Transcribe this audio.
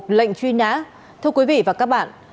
xin chào quý vị và các bạn